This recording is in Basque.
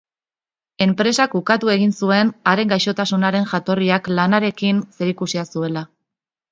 Enpresak ukatu egin zuen haren gaixotasunaren jatorriak lanarekin zerikusia zuela.